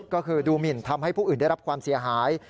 ก็คือดูหมินทำให้ผู้อื่นได้รับความเสียหาย